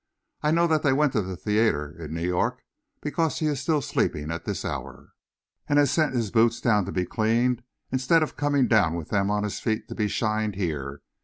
I know that they went to the theatre in New York, because he is still sleeping at this hour, and has sent his boots down to be cleaned, instead of coming down with them on his feet to be shined here.